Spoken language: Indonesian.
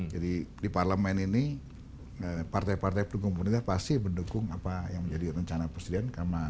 jadi di parlemen ini partai partai pendukung pemerintah pasti mendukung apa yang menjadi rencana presiden